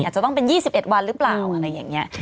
อาจจะต้องเป็น๒๑วันหรือเปล่าอะไรอย่างนี้